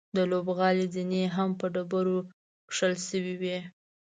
د لوبغالي زینې هم په ډبرو کښل شوې وې.